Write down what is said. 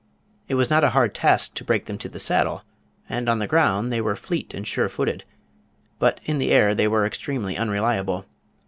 It was not a hard task to break them to the saddle, and on the ground they were fleet and sure footed, but in the air they were extremely unreliable.